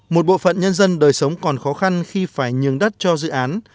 một bộ phận nhân dân đời sống còn khó khăn khi phải nhường đất cho dự án